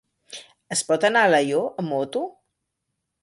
Es pot anar a Alaior amb moto?